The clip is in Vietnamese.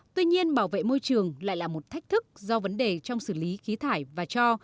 tuy nhiên bảo vệ môi trường lại là một thách thức do vấn đề trong xử lý khí thải và cho